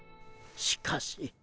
しかし。